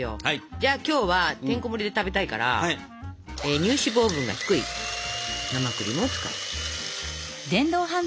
じゃあ今日はてんこもりで食べたいから乳脂肪分が低い生クリームを使います。